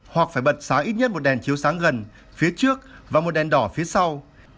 hoặc phải bật sáng ít nhất một đèn chiếu sáng gần phía trước và một đèn đỏ phía sau